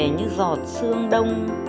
như giọt sương đông